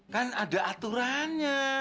kan ada aturannya